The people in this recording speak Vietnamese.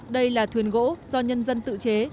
đây là thuyền gỗ do nhân dân tự chế